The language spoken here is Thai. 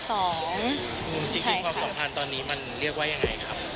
จริงความสัมพันธ์ตอนนี้มันเรียกว่ายังไงครับ